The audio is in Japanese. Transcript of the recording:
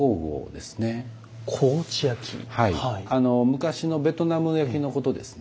昔のベトナム焼きのことですね。